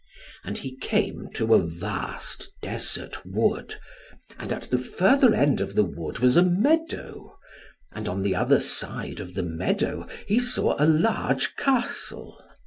And he came to a vast desert wood, and at the further end of the wood was a meadow, and on the other side of the meadow he saw a large castle.